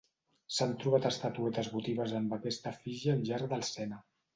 S'han trobat estatuetes votives amb aquesta efígie al llarg del Sena.